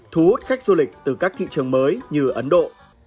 thu hút khách du lịch từ các thị trường mới như ấn độ